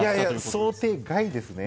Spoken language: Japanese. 想定外ですね。